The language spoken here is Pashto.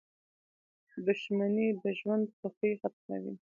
• دښمني د ژوند خوښي ختموي.